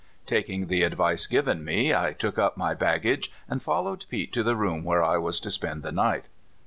Taking the advice given me, I took up my bag gage and followed Pete to the room where I was to spend the night.